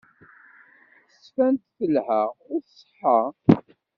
Tettban-d telha u tṣeḥḥa.